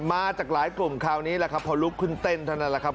มาจากหลายกลุ่มคราวนี้แหละครับพอลุกขึ้นเต้นเท่านั้นแหละครับ